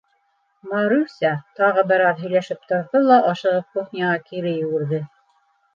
Маруся тағы бер аҙ һөйләшеп торҙо ла ашығып кухняға кире йүгерҙе.